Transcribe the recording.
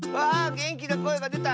げんきなこえがでた！